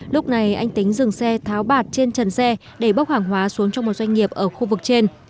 lúc này anh tính dừng xe tháo bạt trên trần xe để bốc hàng hóa xuống trong một doanh nghiệp ở khu vực trên